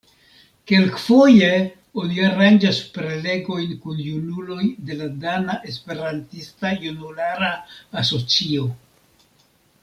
Kelkfoje oni aranĝas prelegojn kun junuloj de la Dana Esperantista Junulara Asocio.